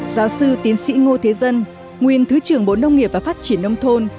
giáo sư tiến sĩ ngô thế dân nguyên thứ trưởng bộ nông nghiệp và phát triển nông thôn